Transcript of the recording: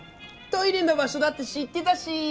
トイレの場所だって知ってたし。